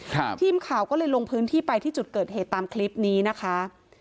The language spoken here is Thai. ทีมข่าวก็เลยลงพื้นที่ไปที่จุดเกิดเหตุตามคลิปนี้นะคะ